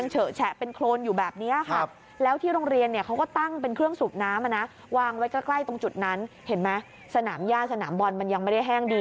เห็นไหมสนามย่าสนามบอลมันยังไม่ได้แห้งดี